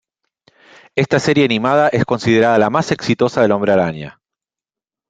Esta serie animada es considerada la más exitosa del Hombre Araña.